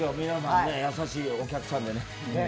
皆さんも優しいお客さんで。